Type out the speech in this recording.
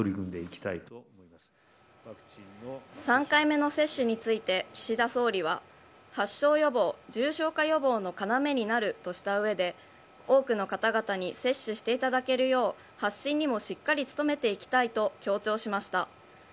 ３回目の接種について岸田総理は発症予防、重症化予防の要になるとした上で多くの方々に接種していただけるよう発信にもしっかり努めていきたいと強調しました。